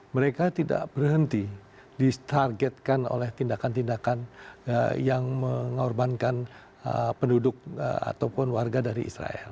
mereka tidak berhenti ditargetkan oleh tindakan tindakan yang mengorbankan penduduk ataupun warga dari israel